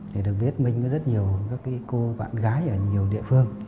thì được biết minh với rất nhiều các cô bạn gái ở nhiều địa phương